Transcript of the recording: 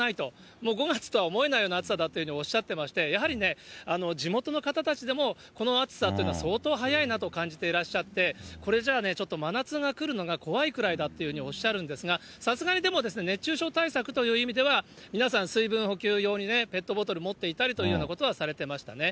もう５月とは思えないような暑さだっていうようにおっしゃっていまして、やはりね、地元の方たちでも、この暑さというのは相当早いなと感じていらっしゃって、これじゃあね、ちょっと真夏が来るのが怖いくらいだっていうふうにおっしゃるんですが、さすがにでも、熱中症対策という意味では、皆さん、水分補給用にね、ペットボトル持っていたりというようなことはされていましたね。